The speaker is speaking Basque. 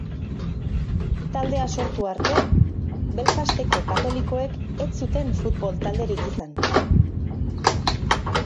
Taldea sortu arte, Belfasteko katolikoek ez zuten futbol talderik izan.